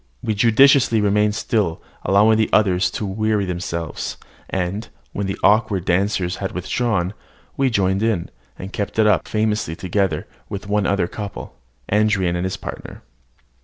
We judiciously remained still, allowing the others to weary themselves; and, when the awkward dancers had withdrawn, we joined in, and kept it up famously together with one other couple, Andran and his partner.